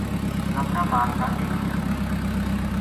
مظفرآباد تا لے گیا